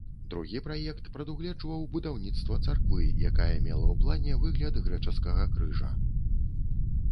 Другі праект прадугледжваў будаўніцтва царквы, якая мела ў плане выгляд грэчаскага крыжа.